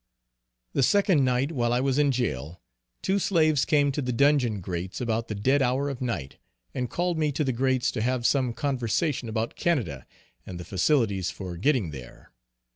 The second night while I was in jail, two slaves came to the dungeon grates about the dead hour of night, and called me to the grates to have some conversation about Canada, and the facilities for getting there.